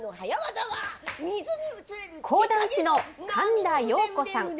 講談師の神田陽子さん。